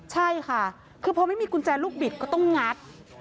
ใช่ค่ะคือพอไม่มีกุญแจลูกบิดก็ต้องงัด